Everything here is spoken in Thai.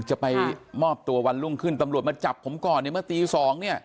จะไปมอบตัววันรุ่งขึ้นตำรวจมาจับผมก่อนเนี่ยเมื่อตีสองเนี่ย